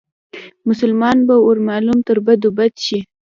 مسلمان به ور معلوم تر بدو بد شي